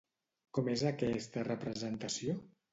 Com és aquesta representació?